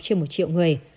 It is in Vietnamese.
trên một triệu người